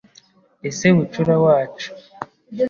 Ese bucura wacu